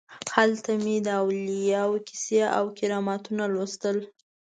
هلته به مې د اولیاو کیسې او کرامتونه لوستل.